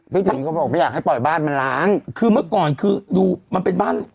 ถึงเขาบอกไม่อยากให้ปล่อยบ้านมันล้างคือเมื่อก่อนคือดูมันเป็นบ้าน